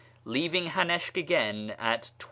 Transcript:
Leaving Hanishk again at 12.